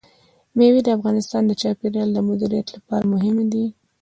مېوې د افغانستان د چاپیریال د مدیریت لپاره مهم دي.